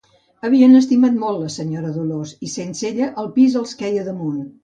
Havien estimat molt la senyora Dolors i, sense ella, el pis els queia damunt.